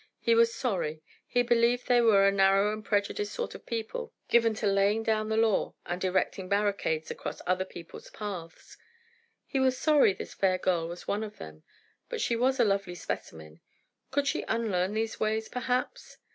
He was sorry. He believed they were a narrow and prejudiced sort of people, given to laying down the law and erecting barricades across other people's paths. He was sorry this fair girl was one of them. But she was a lovely specimen. Could she unlearn these ways, perhaps?